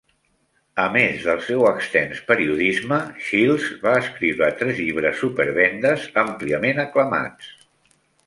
A més del seu extens periodisme, Shilts va escriure tres llibres supervendes, àmpliament aclamats.